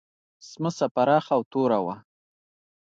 سمڅه پراخه او توره وه.